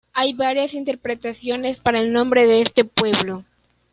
Hay varias interpretaciones para el nombre de este pueblo.